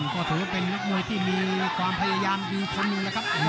ก็ถือเป็นนักมวยที่มีความพยายามอยู่ทันหนึ่งแหละครับ